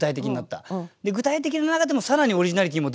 で具体的な中でも更にオリジナリティーも出てきてる。